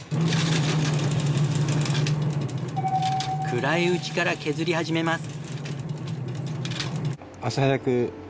暗いうちから削り始めます。